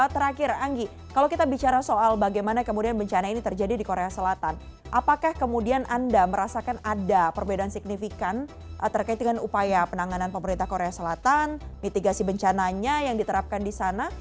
terakhir anggi kalau kita bicara soal bagaimana kemudian bencana ini terjadi di korea selatan apakah kemudian anda merasakan ada perbedaan signifikan terkait dengan upaya penanganan pemerintah korea selatan mitigasi bencananya yang diterapkan di sana